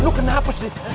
lu kenapa sih